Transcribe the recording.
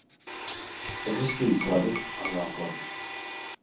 Existují klady a zápory.